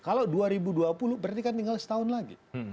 kalau dua ribu dua puluh berarti kan tinggal setahun lagi